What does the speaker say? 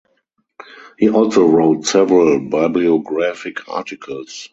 He also wrote several bibliographic articles.